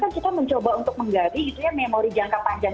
kan kita mencoba untuk menggali gitu ya memori jangka panjang